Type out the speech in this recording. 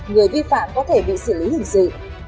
người vi phạm có thể bị xử lý hình sự